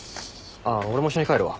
あっ俺も一緒に帰るわ。